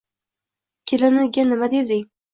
Kelinga nima devding